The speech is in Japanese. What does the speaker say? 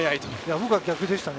僕は逆でしたね。